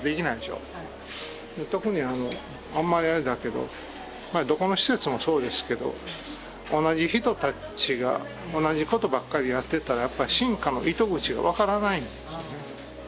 特にあのあんまりあれだけどどこの施設もそうですけど同じ人たちが同じことばっかりやってたらやっぱ進化の糸口が分からないんですよね。